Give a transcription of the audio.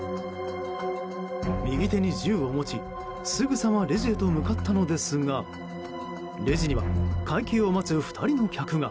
右手に銃を持ち、すぐさまレジへと向かったのですがレジには会計を待つ２人の客が。